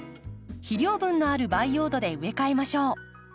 肥料分のある培養土で植え替えましょう。